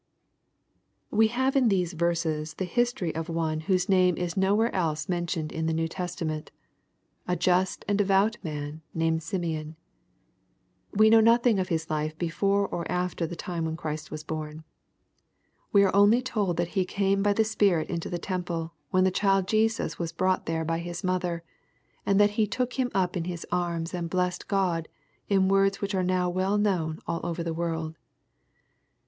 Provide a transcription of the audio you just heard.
Wb have ia these verses the history of one whose nam^ (56 BXPOBITORT THOUGHTS. is nowhere else mentioned in the New Testament, ^^a just and devout man" named Simeon. We know nothing of his life before or after the time when Christ was bom. We are only told that he came by the Spirit into the temple, when the child Jesus was brought there by His mother, and that he " took him up in his arms and blessed God " in words which are now well known all over the world.